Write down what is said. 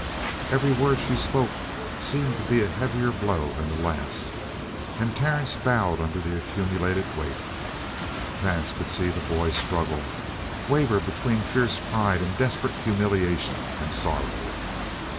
Every word she spoke seemed to be a heavier blow than the last, and Terence bowed under the accumulated weight. Vance could see the boy struggle, waver between fierce pride and desperate humiliation and sorrow.